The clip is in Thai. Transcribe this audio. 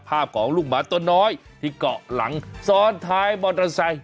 ภาพของลูกหมาตัวน้อยที่เกาะหลังซ้อนท้ายมอเตอร์ไซค์